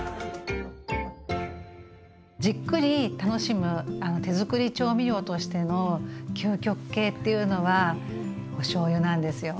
じっくり楽しむ手づくり調味料としての究極形っていうのはおしょうゆなんですよ。